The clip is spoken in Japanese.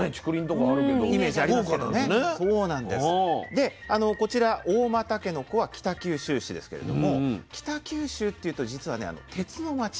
でこちら合馬たけのこは北九州市ですけれども北九州っていうと実はね「鉄の街」。